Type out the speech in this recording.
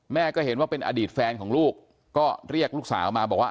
แม่ก็เห็นว่าเป็นอดีตแฟนของลูกก็เรียกลูกสาวมาบอกว่า